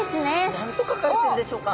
何と書かれてるんでしょうか？